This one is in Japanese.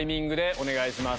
お願いします。